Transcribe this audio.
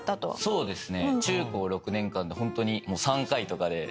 そうです。